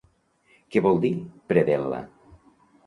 Què vol dir predel·la?